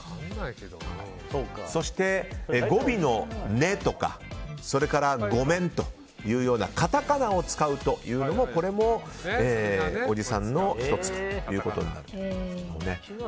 そして、語尾の「ネ」とかそれからゴメンというようなカタカナを使うというのもおじさんの１つということになると。